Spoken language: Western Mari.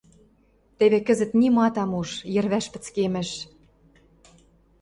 Теве кӹзӹт нимат ам уж, йӹрвӓш пӹцкемӹш